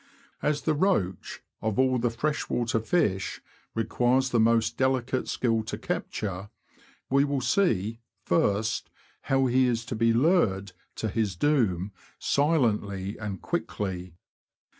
As the roach, of all the freshwater fish, requires the most delicate skill to capture, we will see, first, how he is to be lured to his doom silently and quickly.